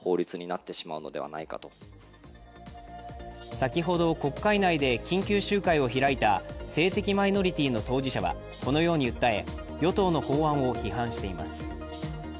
先ほど、国会内で緊急集会を開いた性的マイノリティの当事者はこのように訴え与党の法案を批判しています。